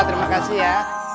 terima kasih ya